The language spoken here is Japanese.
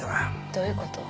どういう事？